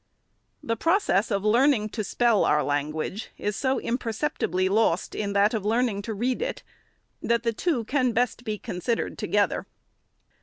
The process of learning to spell our language is so im 516 THE SECRETARY'S perceptibly lost in that of learning to read it, that the two can best be considered together.